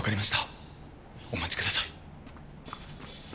お待ちください。